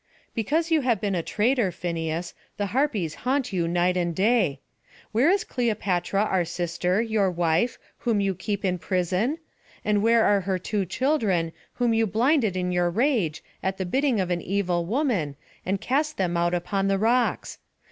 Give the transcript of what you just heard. "Because you have been a traitor, Phineus, the Harpies haunt you night and day. Where is Cleopatra our sister, your wife, whom you keep in prison? and where are her two children, whom you blinded in your rage, at the bidding of an evil woman, and cast them out upon the rocks?